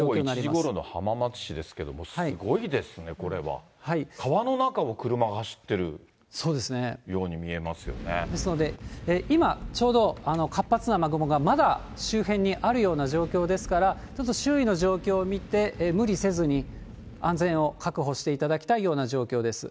これ、午後１時ごろの状況、すごいですね、これは。川の中を車が走ってるように見えですので今ちょうど活発な雨雲がまだ周辺にあるような状況ですから、ちょっと周囲の状況を見て無理せずに、安全を確保していただきたいような状況です。